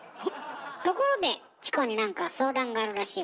ところでチコになんか相談があるらしいわね。